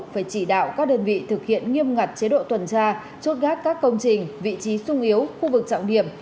phải chỉ đạo các đơn vị thực hiện nghiêm ngặt chế độ tuần tra chốt gác các công trình vị trí sung yếu khu vực trọng điểm